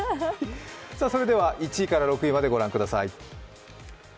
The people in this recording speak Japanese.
それでは１位から６位までご覧ください。